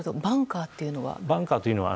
バンカーというのは？